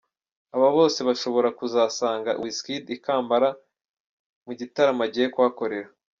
Aba bose bashobora kuzasanga Wizkid i Kampala mu gitaramo agiye kuhakorera.